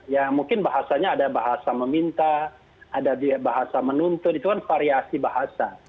ya mungkin bahasanya ada bahasa meminta ada bahasa menuntut itu kan variasi bahasa